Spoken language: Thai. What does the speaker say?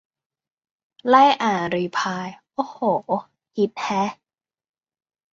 ไล่อ่านรีพลาย โอ้โห ฮิตแฮะ